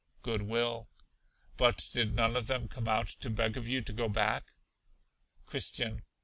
Good will. But did none of them come out to beg of you to go back? Christian.